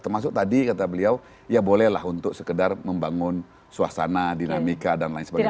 termasuk tadi kata beliau ya bolehlah untuk sekedar membangun suasana dinamika dan lain sebagainya